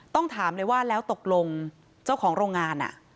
ต้องถามเลยว่าแล้วตกลงเจ้าของโรงงาน